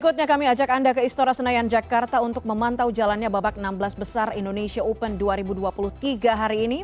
berikutnya kami ajak anda ke istora senayan jakarta untuk memantau jalannya babak enam belas besar indonesia open dua ribu dua puluh tiga hari ini